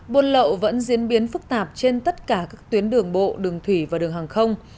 buôn lậu vẫn diễn biến phức tạp trên tất cả các tuyến đường bộ đường thủy và đường hàng không